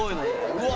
うわ！